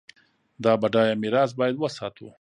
دا بډایه میراث باید وساتو.